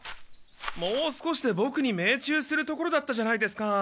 もう少しでボクに命中するところだったじゃないですか。